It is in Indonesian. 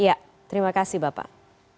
iya terima kasih bapak